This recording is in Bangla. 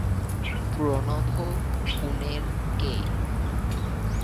প্রণভ পুনের কে?